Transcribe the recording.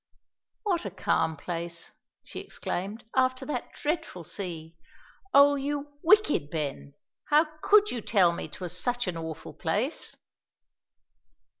"What a calm place," she exclaimed, "after that dreadful sea! O, you wicked Ben, how could you tell me 'twas such an awful place?"